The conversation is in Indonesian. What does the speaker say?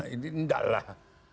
ini enggak lah